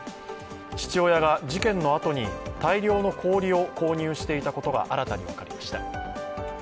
父親が事件のあとに大量の氷を購入していたことが新たに分かりました。